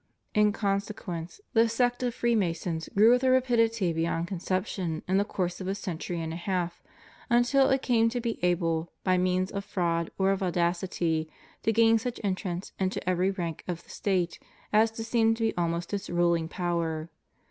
In con sequence the sect of Freemasons grew with a rapidity beyond conception in the course of a century and a half, until it came to be able, by means of fraud or of audacity, to gain such entrance into every rank of the State as to seem to be almost its ruling power.